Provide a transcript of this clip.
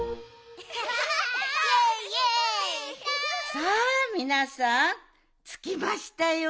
さあみなさんつきましたよ！